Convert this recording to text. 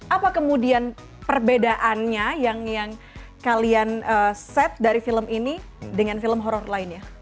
apa kemudian perbedaannya yang kalian set dari film ini dengan film horror lainnya